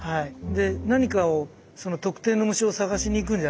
で何かを特定の虫を探しに行くんじゃないんです。